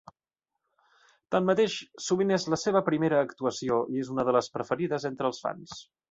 Tanmateix, sovint és la seva primera actuació i és una de les preferides entre els fans.